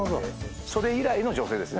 それ以来の女性ですね。